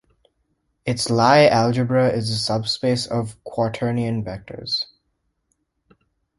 Its Lie algebra is the subspace of quaternion vectors.